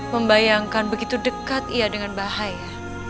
membayangkan begitu dekat ia dengan bahaya